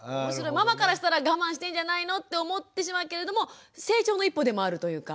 ママからしたら我慢してんじゃないのって思ってしまうけれども成長の一歩でもあるというか。